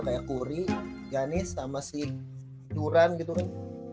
kayak kuri janis sama si curan gitu kan